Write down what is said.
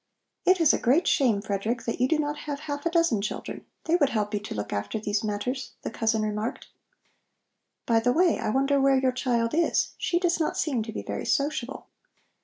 "It is a great shame, Frederick, that you do not have half a dozen children. They would help to look after these matters," the cousin remarked. "By the way, I wonder where your child is. She does not seem to be very sociable."